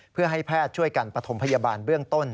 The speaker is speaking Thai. เพื่อให้แพทย์ช่วยกันปฐมพยาบาลเบื้องต้น